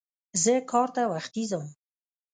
زه کار ته وختي ځم.